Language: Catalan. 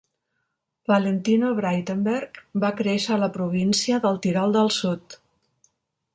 Valentino Braitenberg va créixer a la província del Tirol del Sud.